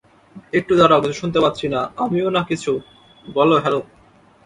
একটু দাড়াও কিছু শুনতে পাচ্ছি না আমিও না কিছু বলো হ্যালো?